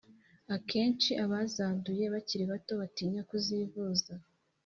Akenshi abazanduye bakiri bato batinya kuzivuza